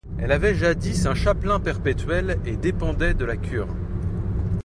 Elle avait jadis un chapelain perpétuel et dépendait de la cure.